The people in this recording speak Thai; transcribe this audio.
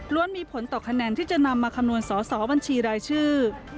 มีผลต่อคะแนนที่จะนำมาคำนวณสอสอบัญชีรายชื่อ